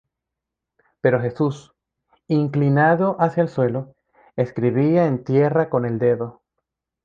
Pero Jesús, inclinado hacia el suelo, escribía en tierra con el dedo.